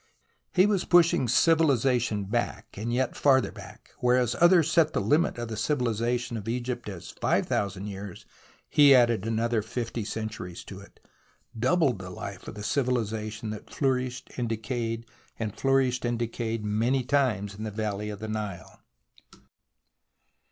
He was pushing civilization back, and yet farther back. Whereas others set the limit of the civilization of Egypt as five thousand years, he added another fifty centuries to it, doubled the life of the civil ization that flourished and decayed and flourished and decayed many times in the valley of the NUe.